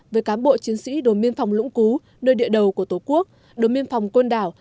với cán bộ chiến sĩ đồn biên phòng lũng cú nơi địa đầu của tổ quốc đồn biên phòng côn đảo